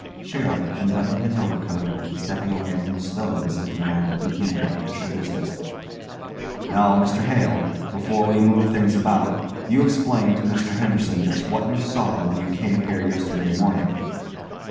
SHERIFF: (unbuttoning his overcoat and stepping away from the stove as if to mark the beginning of official business) Now, Mr Hale, before we move things about, you explain to Mr Henderson just what you saw when you came here yesterday morning.